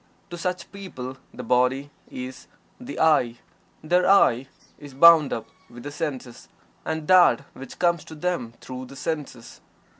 To such people the body is the "I." Their "I" is bound up with the senses, and that which comes to them through the senses.